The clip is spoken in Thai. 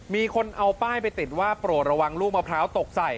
มีคนเอาป้ายไปติดว่าโปรดระวังลูกมะพร้าวตกใส่